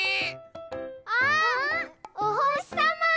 あっおほしさま！